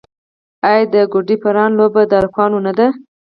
آیا د ګوډي پران لوبه د هلکانو نه ده؟